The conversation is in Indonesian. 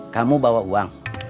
kamu bawa uang